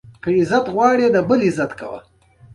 لمریز ځواک د افغانستان د ځایي اقتصادونو بنسټ دی.